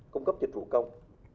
cung cấp dịch vụ công